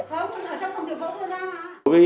trong công việc vô gian hả